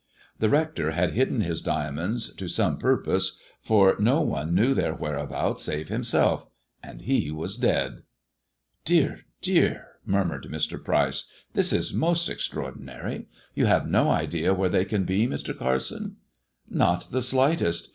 The Hector had hidden his diamonds to some purpose, for no one knew their whereabouts save himself — and he was dead. " Dear ! dear !" murmured Mr. Pryce, " this is most extraordinary. You have no idea where they can be, Mr; Carsoni" ." Not the slightest.